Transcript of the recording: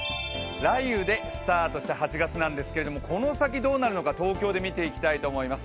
雷雨でスタートした８月なんですけど、この先どうなるのか、東京で見ていきたいと思います。